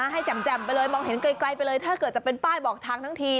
แจ่มไปเลยมองเห็นไกลไปเลยถ้าเกิดจะเป็นป้ายบอกทางทั้งที